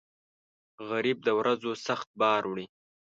غریب د ورځو سخت بار وړي